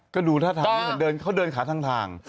ก็ดูท่าทางเขาเดินขาทาง